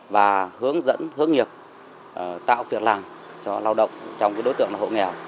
và hướng dẫn hướng nghiệp tạo việc làm cho lao động trong đối tượng hộ nghèo